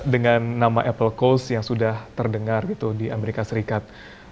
dengan nama apple coast yang sudah terdengar gitu di amerika serikat